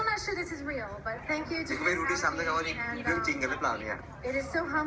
ผมไม่รู้ว่ามันคราวนี้รู้จัก